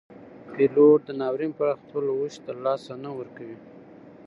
پیلوټ د ناورین پر وخت خپل هوش نه له لاسه ورکوي.